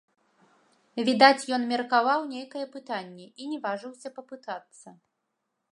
Відаць, ён меркаваў нейкае пытанне і не важыўся папытацца.